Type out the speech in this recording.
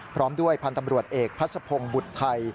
พร้อมด้วยพันธ์ตำรวจเอกพัศพงศ์บุตรไทย